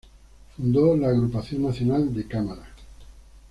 Fundó la Agrupación Nacional de Cámara.